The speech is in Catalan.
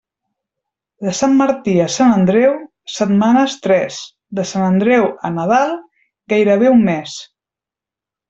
De Sant Martí a Sant Andreu, setmanes tres; de Sant Andreu a Nadal, gairebé un mes.